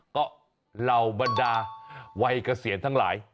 ก็เหล่าบรรดาวัยเกษียณทั้งหลาย